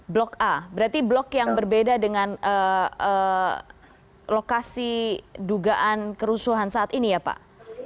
blok a berarti blok yang berbeda dengan lokasi dugaan kerusuhan saat ini ya pak